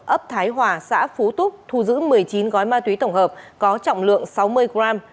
ấp thái hòa xã phú túc thu giữ một mươi chín gói ma túy tổng hợp có trọng lượng sáu mươi gram